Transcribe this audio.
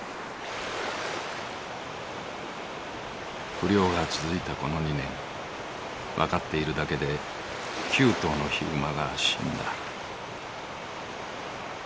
不漁が続いたこの２年分かっているだけで９頭のヒグマが死んだ。